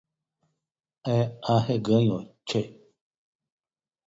É arreganho, tchê